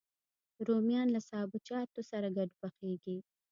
رومیان له سابهجاتو سره ګډ پخېږي